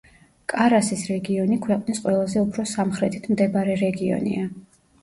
კარასის რეგიონი ქვეყნის ყველაზე უფრო სამხრეთით მდებარე რეგიონია.